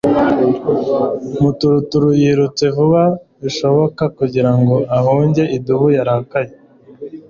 Maturuturu yirutse vuba bishoboka kugira ngo ahunge idubu yarakaye